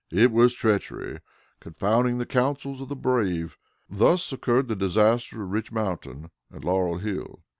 It was treachery confounding the counsels of the brave. Thus occurred the disaster of Rich Mountain and Laurel Hill.